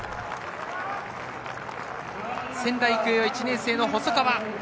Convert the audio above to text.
仙台育英は１年生の細川。